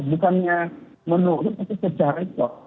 bukannya menurutnya itu pecah rekor